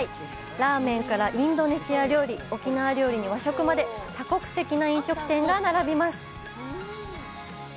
ラーメンから、インドネシア料理沖縄料理に和食まで多国籍な飲食店が並びます。